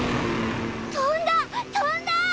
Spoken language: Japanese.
飛んだ飛んだ！